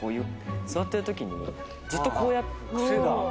座ってるときにずっとこうやってて癖で。